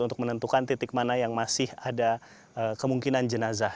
untuk menentukan titik mana yang masih ada kemungkinan jenazah